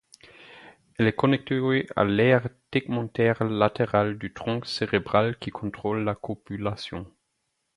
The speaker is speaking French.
Elle est connectée à l'aire tegmentaire latérale du tronc cérébral qui contrôle la copulation.